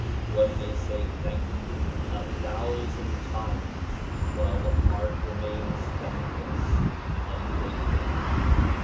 One may say "thank you" a thousand times while the heart remains thankless, ungrateful.